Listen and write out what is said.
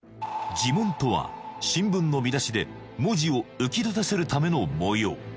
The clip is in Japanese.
地紋とは新聞の見出しで文字を浮きだたせるための模様